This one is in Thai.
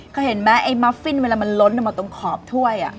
เคยเห็นไหมไอ้มอฟฟิ้นเวลามันล้นออกมาตรงขอบถ้วย